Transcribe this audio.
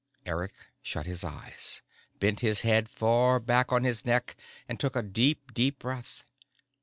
Eric shut his eyes, bent his head far back on his neck and took a deep, deep breath.